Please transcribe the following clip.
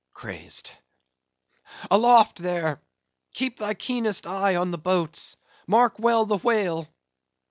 —Crazed;—aloft there!—keep thy keenest eye upon the boats:—mark well the whale!